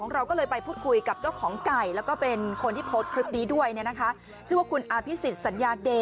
อย่าประวังในความช้ำที่มี